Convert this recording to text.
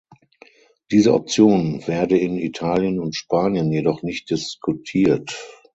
Diese Option werde in Italien und Spanien jedoch nicht diskutiert.